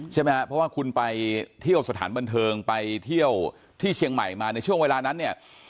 ใช่ไหมครับเพราะว่าคุณไปเที่ยวสถานบันเทิงไปเที่ยวที่เชียงใหม่มาในช่วงเวลานั้นเนี่ย